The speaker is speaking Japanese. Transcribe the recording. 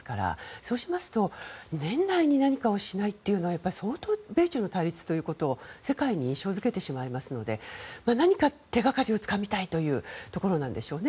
そうしますと、年内に何かをしないということは相当、米中の対立ということを世界に印象付けてしまいますので何か手がかりをつかみたいというところなんでしょうね。